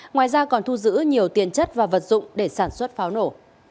ngoài ra còn thu giữ nhiều tiền chất và vật dụng để sản xuất pháo nổ